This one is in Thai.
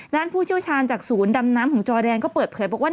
ผู้เชี่ยวชาญจากศูนย์ดำน้ำของจอแดนก็เปิดเผยบอกว่า